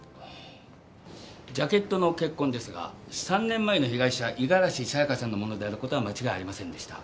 ジャケットの血痕ですが３年前の被害者五十嵐さやかさんのものである事は間違いありませんでした。